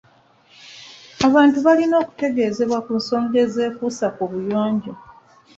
Abantu balina okutegezebwa ku nsonga ezeekuusa ku buyonjo.